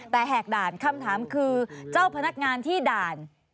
แต่แหกด่านคำถามคือเจ้าพนักงานที่ด่าน